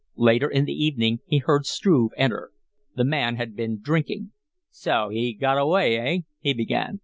Later in the evening he heard Struve enter. The man had been drinking. "So he got away, eh?" he began.